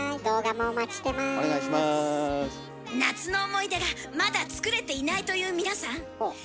夏の思い出がまだ作れていないという皆さん。